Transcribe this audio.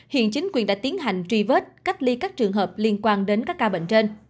hiện chính quyền đã tiến hành trivert cách ly các trường hợp liên quan đến các ca bệnh trên